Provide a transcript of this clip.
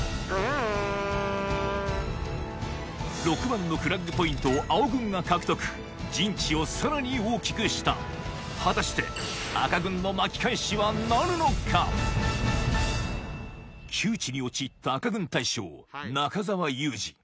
６番のフラッグポイントを青軍が獲得陣地をさらに大きくした果たして窮地に陥った赤軍大将中澤佑二